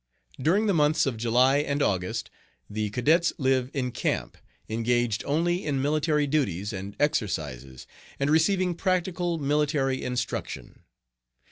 During the months of July and August the cadets live in camp, engaged only in military duties and exercises and receiving practical military instruction.